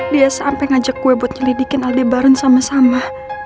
dia sampe ngajak gue buat nyelidikin aldebaran sama sama